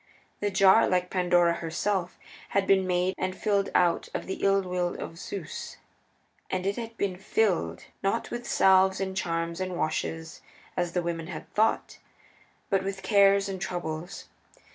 The jar, like Pandora herself, had been made and filled out of the ill will of Zeus. And it had been filled, not with salves and charms and washes, as the women had thought, but with Cares and Troubles.